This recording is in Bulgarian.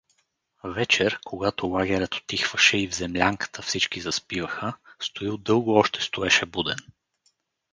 Вечер, когато лагерът утихваше и в землянката всички заспиваха, Стоил дълго още стоеше буден.